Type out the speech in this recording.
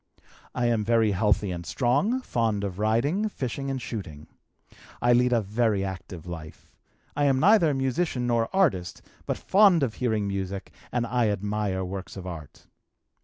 "I am very healthy and strong, fond of riding, fishing, and shooting. I lead a very active life. I am neither musician nor artist, but fond of hearing music and I admire works of art.